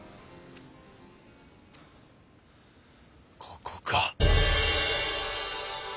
ここか！